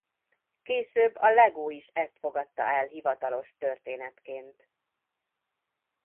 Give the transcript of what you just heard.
Később a Lego is ezt fogadta el hivatalos történetként.